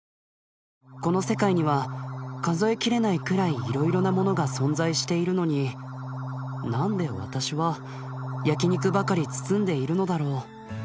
この世界には数え切れないくらいいろいろなものが存在しているのに何で私は焼き肉ばかり包んでいるのだろう。